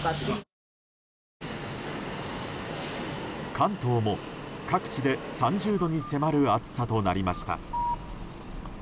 関東も各地で３０度に迫る暑さとなりました。